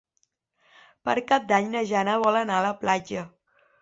Per Cap d'Any na Jana vol anar a la platja.